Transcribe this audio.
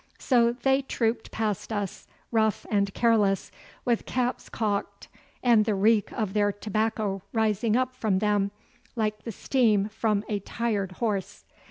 So they trooped past us, rough and careless, with caps cocked, and the reek of their tobacco rising up from them like the steam from a tired horse.